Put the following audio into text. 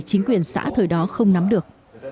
chính quyền xã thời đó không nắm được